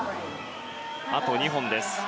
あと２本です。